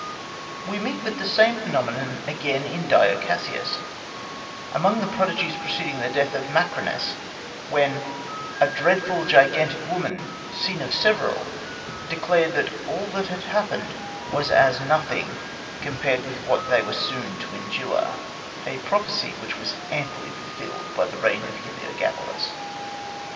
We meet with the same phenomenon again in Dio Cassius, among the prodigies preceding the death of Macrinus, when "a dreadful gigantic woman, seen of several, declared that all that had happened was as nothing compared with what they were soon to endure" a prophecy which was amply fulfilled by the reign of Heliogabalus.